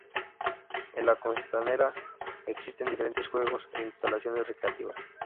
En la costanera existen diferentes juegos e instalaciones recreativas.